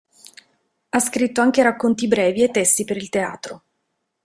Ha scritto anche racconti brevi e testi per il teatro.